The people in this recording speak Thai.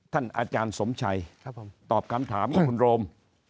ท่านอาจารย์สมชัยตอบคำถามให้คุณโรม